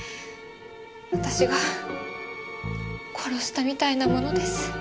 私が殺したみたいなものです。